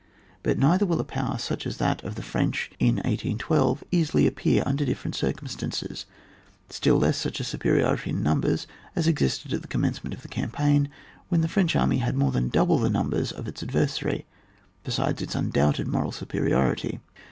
But neither will a power Buch as that of the French in 181ft, easily appear under different circumstances, still less such a superiority in numbers as existed at the commencement of the cam paign, when the French army had more than double the numbers of its adver sary, besides its undoubted moral supe riority.